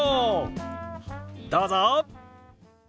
どうぞ！